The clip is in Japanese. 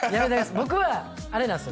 僕はあれなんすよ